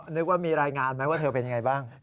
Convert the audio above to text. นึกว่ามีรายงานไหมว่าเธอเป็นยังไงบ้าง